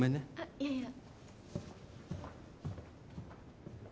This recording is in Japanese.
いやいや。